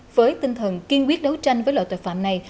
với tinh thần kiên quyết đấu tranh với loại tội phạm này